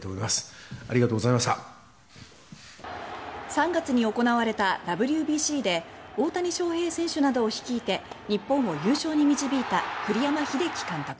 ３月に行われたＷＢＣで大谷翔平選手などを率いて日本を優勝に導いた栗山英樹監督。